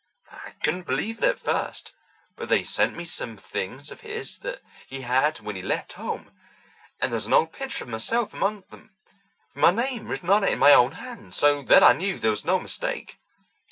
I couldn't believe it at first, but they sent me some things of his that he had when he left home, and there was an old picture of myself among them with my name written on it in my own hand, so then I knew there was no mistake.